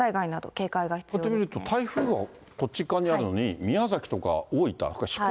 こうやって見ると、台風はこっち側にあるのに、宮崎とか大分、それから四国？